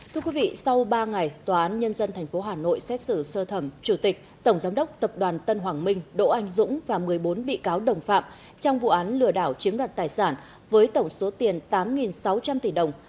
thưa quý vị sau ba ngày tòa án nhân dân tp hà nội xét xử sơ thẩm chủ tịch tổng giám đốc tập đoàn tân hoàng minh đỗ anh dũng và một mươi bốn bị cáo đồng phạm trong vụ án lừa đảo chiếm đoạt tài sản với tổng số tiền tám sáu trăm linh tỷ đồng